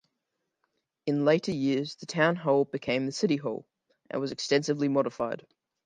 In later years, the Town Hall became the City Hall and was extensively modified.